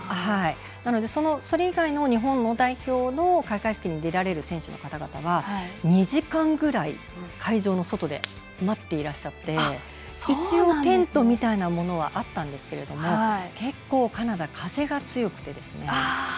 なので、それ以外の日本代表の開会式に出られる選手は２時間くらい、会場の外で待っていらっしゃって一応、テントみたいなものはあったんですけど結構カナダは風が強くて。